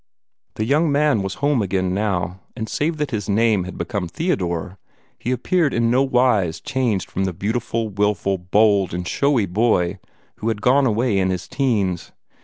The young man was home again now, and save that his name had become Theodore, he appeared in no wise changed from the beautiful, wilful, bold, and showy boy who had gone away in his teens.